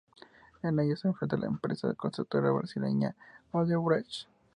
En ella, se enfrenta a la empresa constructora brasileña Odebrecht.